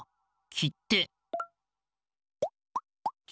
きって？